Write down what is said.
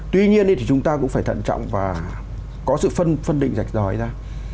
tuy nhiên thì chúng ta cũng phải thận trọng và có sự phân định rạch ròi ra